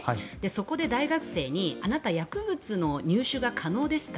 そこで大学生にあなた、薬物の入手が可能ですか？